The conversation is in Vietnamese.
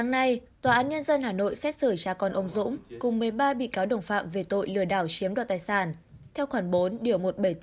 hãy đăng ký kênh để ủng hộ kênh của chúng mình nhé